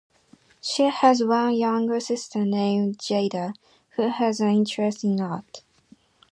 She has one younger sister named Jayda who has an interest in art.